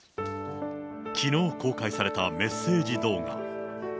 きのう公開されたメッセージ動画。